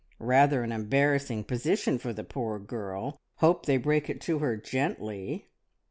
"Rather an embarrassing position for the poor girl! Hope they break it to her gently!"